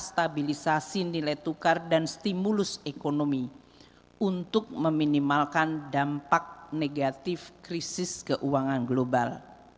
stabilisasi nilai tukar dan stimulus ekonomi untuk meminimalkan dampak negatif krisis keuangan global